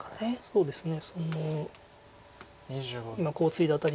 そうですね。